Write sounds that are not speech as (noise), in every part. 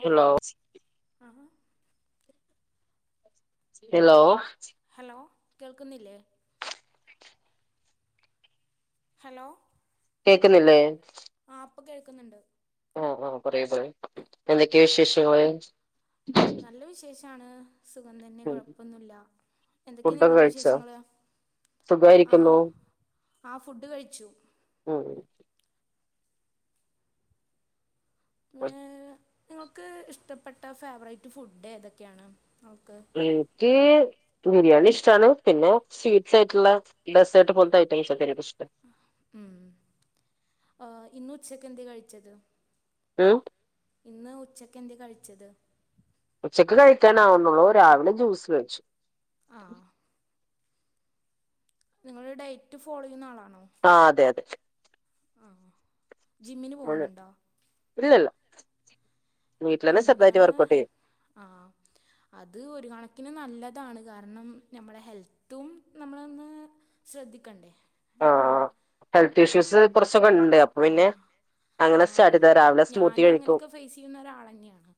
ഓഹ് hello ആഹ് ആഹാ hello hello കേൾക്കുന്നില്ലേ ഹലോ കേക്ക്ന്നില്ലേ ആഹ് ഇപ്പ കേൾക്ക്ന്ന്ണ്ട് ആഹ് ആഹ് പറയൂ പറയ് എന്തക്ക്യാ വിശേഷങ്ങള് ട്ടാണ് സുഖം തന്നെ ഉം കൊഴപ്പൊന്നുല്ല എന്തൊക്കെ ഫുഡൊക്കെ നിങ്ങളെ കഴിച്ചോ വിശേഷങ്ങള് ആഹ് സുഖായിരിക്കുന്നു ആഹ് ഫുഡ്ഡ് കഴിച്ചു ഉം ഉം ഏ, (unintelligible) നിങ്ങൾക്ക് ഇഷ്ടപ്പെട്ട ഫേവറേറ്റ് ഫുഡേതൊക്കേണ് അവക്ക് ഇൻക്ക് ക്ക് ബിരിയാണി ഇഷ്ടാണ് പിന്നേ സ്വീറ്റ്സ് ആയിട്ട്ള്ളെ ഡെസേർട്ട് പോൽത്തെ ഐറ്റംസൊക്കെൻക്കിഷ്ട്ടാ ഉം ആഹ് ഇന്ന് ഉച്ചക്ക് എന്തേ കഴിച്ചത് ഉം ഇന്ന് ഉച്ചക്ക് എന്തേ കഴിച്ചത് ഉച്ചക്ക് കഴിക്കാനാവുന്നൊള്ളൂ രാവില ജൂസ് കഴിച്ചു ആഹ് നിങ്ങള് ഡയ്റ്റ് ഫോള് എയ്യുന്ന ആളാണോ? ആഹ് അതെ അതെ ആഹ് ജിമ്മിന് ഉം. പോഉന്നുണ്ടോ? ഇല്ലല്ല വീട്ടിലന്നെ എന്താ ചെറുതായിട്ട് വർക്കഔട്ട് ചെയ്യും ആഹ് അത് ഒരു കണക്കിന് ന്നല്ലതാണ് കാരണം ന്നമ്മളെ ഹെൽത്തും ന്നമ്മളൊന്ന് ശ്രദ്ധിക്കണ്ടേ ഏ ആഹ് ഹെൽത്ത് ഇഷ്യൂസ് കൊർച്ചൊക്കെ ഇണ്ട് അപ്പ പിന്നെ അങ്ങനെ ആഹ് സ്റ്റാർട്ട് ചെയ്തതാ രാവിലെ സ്മൂത്തി ഞാനും കഴിക്കും അങ്ങനൊക്കെ ഫെയ്സ് ചെയ്യുന്ന ഒരാളെന്നേണ്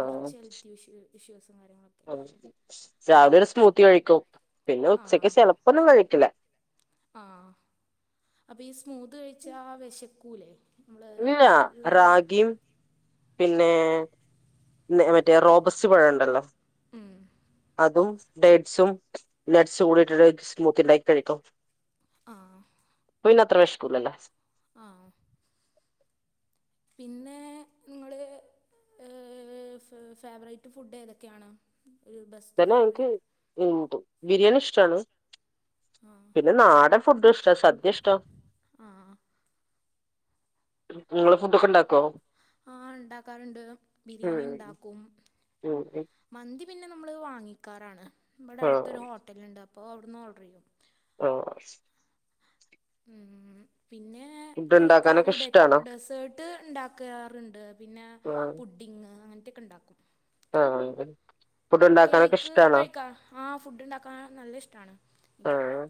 കൊർച്ച് ഹൽത്തിഷ്യൂ ഇഷ്യൂസും കാര്യങ്ങളൊ രാവിലെരു സ്മൂത്തി കഴിക്കും പിന്നെ ആ ഉച്ചക്ക് ചെലപ്പൊന്നും കഴിക്കില ആഹ് അപ്പ ഈ സ്മൂത്ത് കഴിച്ചാ വെശക്കൂലേ? മ്ള് ര് വെറും പിന്നേ നെ മറ്റേ റോബസ്റ്റ് പഴംണ്ടല്ലോ ഉം അതും ഡെയ്റ്റ്സും നട്സ് കൂടട്ടിട്ട് സ്മൂത്തിണ്ടാക്കി കഴിക്കും ആഹ് പ്പപിന്നത്ര വെഷ്കൂലല്ലോ ആം പിന്നേ ഇങ്ങള് ഏ ഫ് ഫേവറൈറ്റ് ഫുഡ് ഏതൊക്കെയാണ്? ഒരു ബെസ്റ്റ് പിന്നാ എനിക്ക് ഫേവറേറ്റ് (unintelligible) ബിരിയാണി ഇഷ്ടാണ് ആ പിന്നെ ന്നാടൻ ഫുഡ്ഡ് ഇഷ്ടാ സദ്യ ഇഷ്ടം ആ നിങ്ങള് ഫുഡ്ഡോക്കെ ഇണ്ടാക്കോ ആഹ് ഇണ്ടാക്കാറ്ണ്ട് ഉം ബിരിയാണി ഇണ്ടാക്കും ഉം ഉം. മന്തി പിന്നെ നമ്മള് വാങ്ങിക്കാറാണ് ഇബടെ അടുത്തരു ആഹ് ഹോട്ടലുണ്ട് അപ്പോൾ അവിടുന്ന് ഓർഡർ ചെയ്യും ആഹ് ഉം പിന്നെ ഫുഡ് ഉണ്ടാക്കാനൊക്കെ കഴിക്കാറ് ഡെ ഇഷ്ടാണോ ഡെസേർട്ട് ഇണ്ടാക്കാറ്ണ്ട് പിന്നെ ആഹ് പുഡ് ടിങ് അങ്ങനത്തെക്കെ ഇണ്ടാക്കും ആഹ് അത് കേക്ക് കഴിക്കാ ആ ഫുഡ്ണ്ടാക്കാ നല്ല ഇഷ്ടാണ് ഇനിക്ക് ആഹ്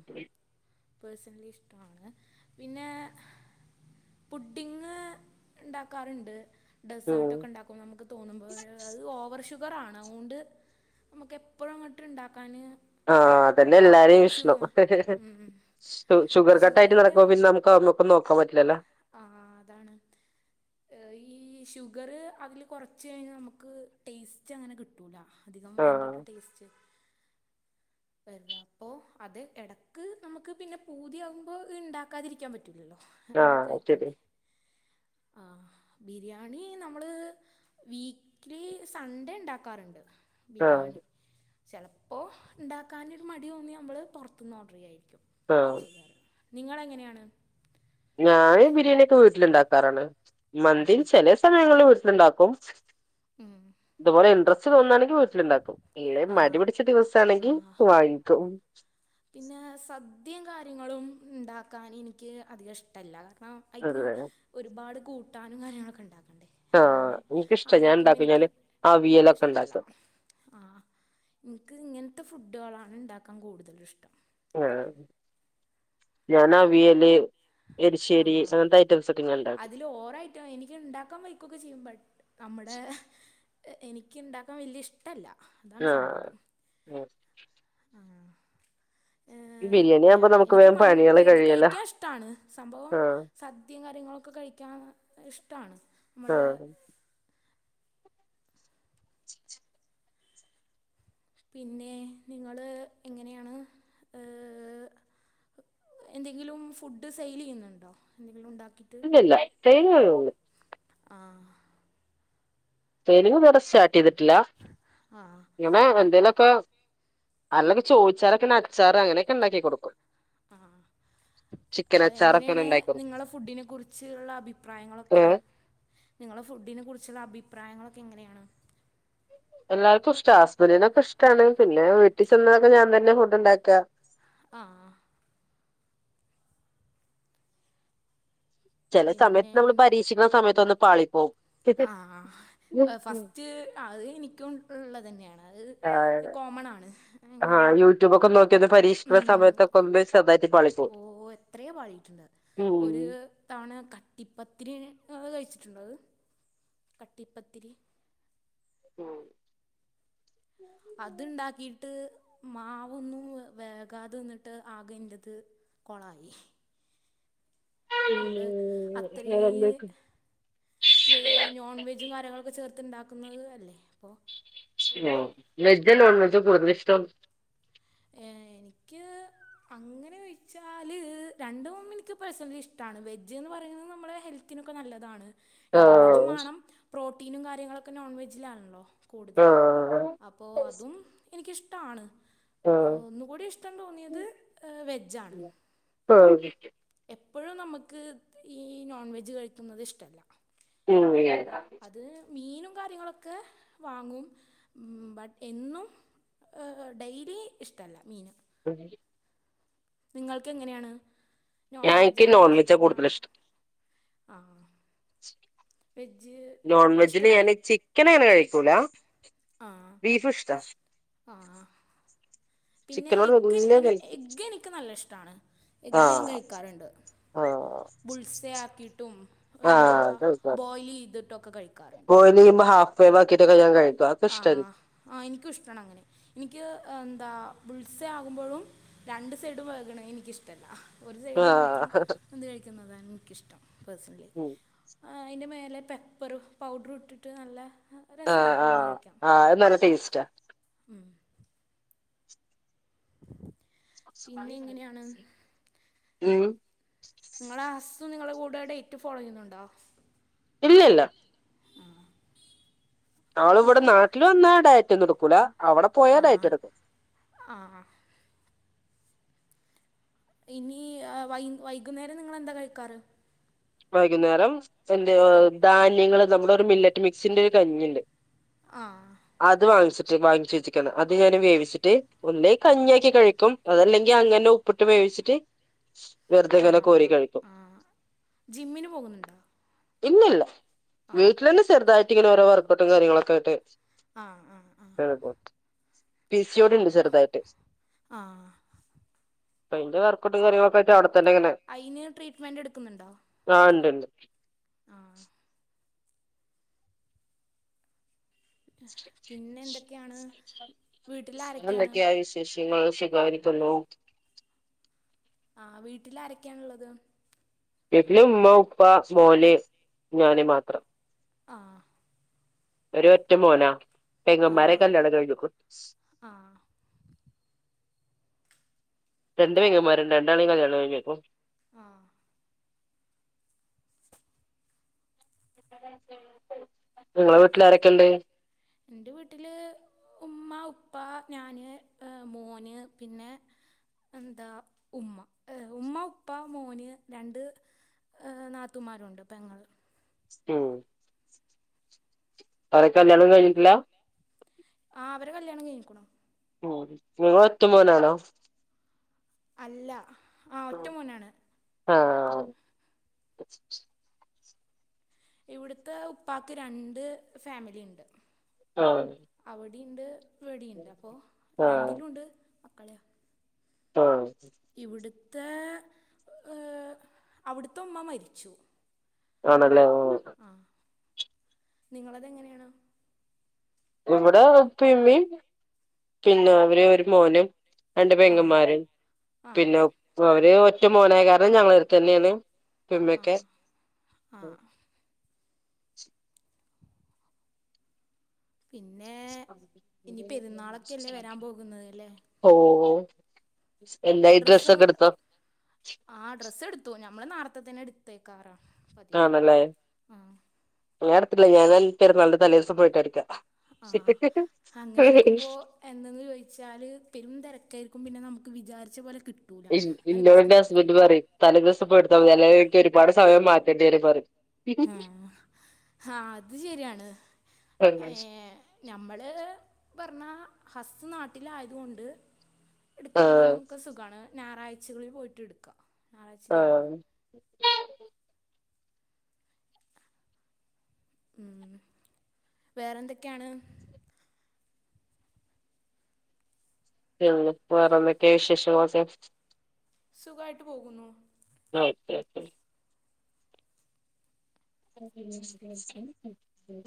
പേഴ്സണലി ഇഷ്ടാണ് പിന്നെ പുഡ്ഢിങ്ങ് ഇണ്ടാക്കാറ്ണ്ട് ഡെസേർട്ട് ഉം ഒക്കെ ഇണ്ടാക്കും നമുക്ക് തോന്നുമ്പോഴ് അത് ഓവർ ഷുഗറാണ് അതുകൊണ്ട് നമക്ക് എപ്പോഴും അങ്ങോട്ട് ഇണ്ടാക്കാന് ആഹ് അതന്നെ എല്ലാരേ ഇഷ്ണം ഷുഗർ കട്ട് ആയിട്ട് നടക്കുമ്പോ പിന്നെ നമുക്ക് അത് മ ക്കൊന്നും നോകാൻ പറ്റില്ലല്ല ആഹ് അതാണ് ഏ ഈ ഷുഗറ് അതില് കോറച്ച് കഴിഞ്ഞാ നമക്ക് ടേസ്റ്റ് റ്റ അങ്ങനെ കിട്ടൂല അതികം ആഹ് അതിന്റൊരു ടേസ്റ്റ് വര്ല അപ്പൊ അത് എടക്ക് നമക്ക് പിന്നെ പൂതിയാകുമ്പോ ഇണ്ടാക്കാതിരിക്കാൻ പറ്റൂലല്ലോ ആ ആ ആഹ് ശരി കേഴിക്കണ്ടേ ആ ബിരിയാണി നമ്മള് വീക്ക്ലി സൺഡേ ഇണ്ടാക്കാറുണ്ട് ആഹ് ബിരിയാണി ചലപ്പോ ഇണ്ടാക്കാനോരു മടി തോന്നിയ നമ്മൾ പോറത്ത്ന്ന് ഓർഡർ ചെയ്യായിരിക്കും ആഹ് ചെയ്യാറ് നിങ്ങളെങ്ങനെയാണ് ഞാന് ബിരിയാണിക്കെ വീട്ടിലുണ്ടാക്കാറാണ് മന്തി ഉം. ചെലെ സമയങ്ങളി വീട്ട്ല്ണ്ടാക്കും ഉം ഇതുപോലെ ഇൻട്രസ്റ്റ് തോന്നാണെങ്കി വീട്ടിലുണ്ടാക്കും ഇല്ലേ ആ മടി പിടിച്ച ദിവസാണെങ്കി ആ വാങ്ങിക്കും പിന്നെ സദ്യ കാര്യങ്ങളും ഇണ്ടാക്കാൻ എനിക്ക് അധികം ഇഷ്ടല്ല കാർണം അയിക്ക് അതെ ഒരുപാട് കൂട്ടാനും കാര്യങ്ങളൊക്കെ ഇണ്ടാക്കണ്ടേ ആഹ് അങ്ങനെ എനിക്കിഷ്ടാ ഞാൻ ആലോയിക്കുമ്പോ ഇണ്ടാക്കും എനിക്ക് ഞാന് അവിയലൊക്കെ ഇഷ്ടല്ല ഇണ്ടാക്കും ആഹ് എന്ക്ക് ഇങ്ങനത്തെ ഫുഡാളാണ് ഇണ്ടാക്കാ കൂടുതലും ഇഷ്ടം ആഹ് ഞാനാ അവിയല് ആ എരിശ്ശേരി അങ്ങനത്തെ ഐറ്റംസക്കെ ഞാൻ ഇണ്ടാക്കും അതിൽ ഓവറായിട്ട് എനിക്ക് ഇണ്ടാക്കാൻ ബൈക്കൊക്കെ ചെയ്യും ബട്ട് നമ്മടെ എനിക്ക്ണ്ടാക്കാൻ വല്യേ ഇഷ് ട്ടല്ല ആഹ് ആഹ് ആഹ് ഈ ഏഹ് ബിരിയാണി ഞാ ആവുമ്പോ നമുക്ക് എനിക്ക് വേഗം മ പണികള് ഇത് കഴിയല്ലോ കഴിക്കാൻ ഇഷ്ടാണ് സംഭവം ആഹ് സദ്യ കാര്യങ്ങളൊക്കെ കഴിക്കാ ഇഷ്ടാണ് നമ്മുടെ ആഹ് പിന്നെ നിങ്ങള് എങ്ങനെയാണ് ആ എന്തെങ്കിലും ഫുഡ്ഡ് സെയിലെയ്യുന്നുണ്ടോ എന്തെങ്കിലുണ്ടാക്കീട്ട് ഇല്ല സെയിലൊ ആഹ് ട്രെയിനിങ് വേറെ സ്റ്റാർട്യ്തട്ടില്ല ആഹ് ഇങ്ങനെ എൻ എന്തേലോക്കെ അല്ലെങ്കി ചോയിച്ചാലോക്കെ അച്ചാറ് അങ്ങനേക്കെ ഇണ്ടാക്കി കൊടുക്കും ചിക്കൻ ആഹ് അച്ചാറൊക്കെങ്ങനെ എങ്ങനെയാണ് ഉണ്ടാക്കി കൊടുക്കും നിങ്ങളെ ഫുഡ്ഢിനെ കുറിച്ച്ള്ള അഭിപ്രായങ്ങളൊക്കെ ഏഹ് നിങ്ങളെ ഫുഡിനെ കുറിച്ചുള്ള അഭിപ്രായങ്ങളൊക്കെ എങ്ങനെയാണ് എല്ലാർക്കും ഇഷ്ടാ ഹസ്ബന്റിനൊക്കെ ഇഷ്ടാണ് പിന്നെ വീട്ടി ചെന്നാല് ഞാൻ തന്നെ ഫുഡ്ണ്ടാക്ക ആഹ് ചെല സമയത്ത് പിന്നെ നമ്മൾ പരീക്ഷിക്കണ സമയത്ത് ഒന്ന് പാളിപ്പോവും ആഹ് ഫസ്റ്റ് അത് എനിക്കുള്ള തന്നെയാണ് അത് ആഹ് കോമൺ ആണ് അങ്ങനെ ആഹ് യൂട്യൂബ്ക്ക നോക്കിയൊന്ന് പരീക്ഷിക്കണ ഉം, സമയത്തൊക്കെ ഒന്ന് ചെർതാ ഓ എത്രയാ പാടീട്ടുണ്ട് ഉം ഒരു ത്താണ് കട്ടിപ്പത്തിരി കഴിച്ചിട്ടുണ്ടാത് കട്ടിപ്പത്തിരി ഉം അത്ണ്ടാക്കീട്ട് മാവൊന്നും വേകാതിന്നിട്ട് ആകെ എന്റത് കൊളായി പിന്നെ നമ്മള് അത്രേ വേറെന്തൊക്കെ വേ നോൺ വെജും കാര്യങ്ങളൊക്കെ ചേർത്ത്ണ്ടാക്കുന്നത് അല്ലേ അപ്പോൾ ഓഹ് വെജ് നോൺവെജ് കൂടുതലിഷ്ടം ഏ എനിക്ക് അങ്ങനെ ഒഴിച്ചാല് രണ്ടും എനിക്ക് പേഴ്സണലി ഇഷ് ഇഷ്ടാണ് വെജ് എന്ന് പറയുന്നത് നമ്മടെ ഹെൽത്തിനൊക്കെ നല്ലതാണ് നോൺവെജും ആഹ് വേണം പ്രോട്ടീനും കാര്യങ്ങളൊക്കെ നോൺവെജിലാണല്ലോ കൂടുതല് ആഹ് അപ്പോ അതും എനിക്കിഷ്ടാണ് ആഹ് ഒന്നുകൂടി ഇഷ്ടം തോന്നിയത് വെജാണ് ആഹ് എപ്പോഴും നമുക്ക് ഈ നോൺവെജ് കഴിക്കുന്നത് ഇഷ്ടമല്ല (unintelligible) അത് മീനും കാര്യങ്ങളൊക്കെ വാങ്ങും ബട്ട് എന്നും ഡെയ്യിലി ഇഷ്ടമല്ല മീൻ നിങ്ങൾക്ക് എങ്ങനെയാണ് നോൺ ഞാൻ വെജ് എനിക്ക് ആണോ നോൺ വെജാ കൂടുതൽ വെജിറ്റബിളണോ ആഹ് നോൺവെജന് ഇഷ്ടല്ലേ ഞാന് ചിക്കൻ അങ്ങനെ കഴിക്കൂല ആഹ് ബീഫ്ഷ്ട്ട ആഹ് പിന്നെ ചിക്കനോട് എഗ് വലിയ എനി താല്പ എഗ്ഗ് എനിക്ക് നല്ല ഇഷ്ടണ് എഗ്ഗ് ഞാൻ ആഹ് കഴിക്കാറ്ണ്ട് ആഹ് ബുൾസെ ആക്കിയിട്ടും എന്താ ആഹ് അത ബോയ്ൽ ചെയ്തിട്ടൊക്കെ കഴിക്കാറുണ്ട് ബോയിൽ ഹാഫ് വേവാക്കിയിട്ട് ഒക്കെ ഞാൻ കഴിക്കും അതൊക്കെ ഇഷ്ടായിരുന്നു ആഹ് ആഹ് എനിക്കും ഇഷ്ടണ് അങ്ങനെ എനിക്ക് എന്താ ബുത്സെ ആകുമ്പോഴും രണ്ട് സൈഡ് വേക്ണെ എനിക്കിഷ്ടം ട്ടല്ല ഒരു സൈഡ് മാത്രം ആഹ് വന്ത് കഴിക്കുന്നതാണ് എനിക്കിഷ്ടം പേഴ്സണലി ഉം ആഹ് അതിൻ്റെ മേലെ പെപ്പറു പൗഡറും ഇട്ടിട്ട് നല്ല രസമായിരി ആഹ് ആഹ് ആഹ് അത് നല്ല ടേസ്റ്റാ. ഉം പിന്നെ എങ്ങനെയാണ് ഉം നിങ്ങളെ ഹസ് നിങ്ങളുടെ കൂടെ ഡേറ്റ് ഫോളോ ചെയ്യുന്നുണ്ടോ ഇല്ലില്ല ആഹ് ആള് ഇവിടെ നാട്ടിൽ വന്ന ഡയറ്റ ഒന്നും എടുക്കൂല അവിടെ പോയാ ഡയറ്റ് എടുക്കും ആഹ് ഇനി വൈ വൈകുന്നേരം നിങ്ങെന്താ കഴിക്കാറ് വൈകുന്നേരം എന്ത ധാന്യങ്ങള് നമ്മുടെ ഒരു മില്ലറ്റ് മിക്സിന്റെ ഒരു കഞ്ഞിുണ്ട് ആഹ് അത് വാങ്ങിച്ചിട്ട് വാങ്ങിച്ചു വേച്ചിക്കാണ് അത് ഞാന് വേവിച്ചിട്ട് ഒല്ലേ കഞ്ഞിയാക്കി കഴിക്കും അതല്ലെങ്കി അങ്ങനെ ഉപ്പിട്ട് വേവിച്ചിട്ട് ആ വെറുതെങ്ങനെ കോരി കഴിക്കു ആ ജിമ്മിന് പോകുന്നുണ്ടോ ഇല്ലില്ല ആ വീട്ടിൽന്നും ചെറുതായിട്ട് ഇങ്ങനെ ഓരോ വർക്കോട്ടും കാര്യങ്ങളൊക്കെ ആയിട്ട് ആഹ് ആഹ് പി സി ഓ ഡി ഇണ്ട് ചെറുതായിട്ട് ആഹ് ഇന്റെ വർക്കട്ട് കയൊക്കെറ്റ അവിടെത്തന്നെങ്ങനെ അതിന് ട്രീറ്റ്മെൻറ് എടുക്കുന്നുണ്ടോ ആഹ് ഉണ്ട്ണ്ട് ആഹ് പിന്നെ എന്തൊക്കെയാണ് വീട്ടിൽ ആരൊക്കെയാണ് എന്തൊക്കെയാ വിശേഷങ്ങൾ സുഖമായിരിക്കുന്നു ആഹ് വീട്ടിൽ ആരൊക്കെയാണുള്ളത് വീട്ടില് ഉമ്മ ഉപ്പ മോന് ഞാന് മാത്രം ആഹ് പേരെ ഒറ്റ മോനാ പെങ്ങന്മാരെ ആഹ് കല്യാണം കഴിഞ്ഞിക്കു ആഹ് രണ്ടു പെങ്ങന്മാര്ണ്ട് രണ്ടാളീം കല്യാണം കഴിഞ്ഞക്കും ആഹ് ഇങ്ങളെ വീട്ടില് ആരൊക്കെണ്ട് എന്റെ വീട്ടില് ഉമ്മ ഉപ്പ ഞാന് മോന് പിന്നെ എന്താ ഉമ്മ ഉമ്മ ഉപ്പ മോന് രണ്ട് ഏഹ് നാത്തുമാരുണ്ട് പെങ്ങൾ ഉം ഒരേക്കല്യാണം കഴിഞ്ഞിട്ടില്ല ആ അവരെ കല്യാണം കഴിഞ്ഞുക്ക്ണു മം നിങ്ങള് ഒറ്റ മോനാണോ അല്ല ആഹ് ഒറ്റ മോനാണ് ഒറ്റ ആഹ് ഇവിടുത്തെ ഉപ്പാക്ക് രണ്ട് ഫാമിലി ഉണ്ട് ആഹ് അവിടിണ്ട് ഇവ്ടിണ്ട് അപ്പൊ ആഹ് രണ്ടിലും ഉണ്ട് മക്കളെയ ആഹ് ഇവിടുത്തെ ഏഹ് അവിടുത്തെ ഉമ്മ മരിച്ചു ആണല്ലേ ആ ആഹ് നിങ്ങളതെങ്ങനെയാണ് ഇവിടെ ഉപ്പിഎം ഉമ്മി പിന്നെ അവര് ഒരു മോനും രണ്ട് ആ പെങ്ങന്മാര് ആ പിന്നെ അവര് ഒറ്റ മോനായ കാരണം ഞങ്ങള അടുത്ത് തന്നെയാണ് ഉപ്പേമ്മയൊക്കെ ആഹ് ആഹ് പിന്നെ ഇനിയിപ്പോൾ പെരുന്നാളൊക്കെ അല്ലേ വരാൻ പോകുന്നത് അല്ലേ ഓഹ് എല്ല ഡ്രസ്സ് ആ ഡ്രസ് എടുത്തു ഞമ്മള് നാർത്തെ തന്നെ എടുത്തേക്കാറാ ആണല്ലേ ഞാൻ എടുത്തിട്ടില്ല ഞാൻ പെരുന്നാളിന്റെ തലേ ദിവസം പോയിട്ട എടുക്ക ആഹ് അങ്ങനെ എടുക്കുമ്പോ എന്തെന്ന് ചോദിച്ചാൽ പെരും തിരക്കായിരിക്കും പിന്നെ നമുക്ക് വിചാരിച്ച പോലെ കിട്ടു ഇന്നോട് എന്റെ ഹസ്ബന്റ് പറയും തല ദിവസം പോയിടുത്താൽ മതി അല്ല എക്ക് ഒരുപാട് സമയം മാറ്റേണ്ടി വരുംപറയും ആഹ് ആ അത് ശരിയാണ് ഏ ഞമ്മള് പറഞ്ഞാ ഹസ് നാട്ടിലായതുകൊണ്ട് ആഹ് എടുക്കാനൊന്നൊക്കെ സുഖണ് ഞായറാഴ്ചകളിൽ പോയിട്ട് എടുക്ക ഞായറാഴ്ച ലീവാണ് ആഹ് ഉം വേറെ എന്തൊക്കെയാണ് പിന്നെ വേറെന്തൊക്കെ വിശേഷ സുഖയിട്ട് പോകുന്നു ഓക്കെ ഓക്കെ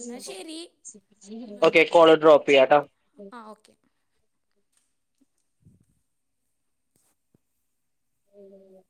എന്നാ ശരി ഓക്കെ കോൾ ഡ്രോപ്പ് ചെയ്യാട്ടാ ആ ഓക്കെ ഉ